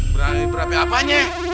berani ber ape apanya